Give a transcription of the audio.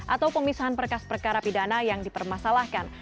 atau pemisahan berkas perkara pidana yang dipermasalahkan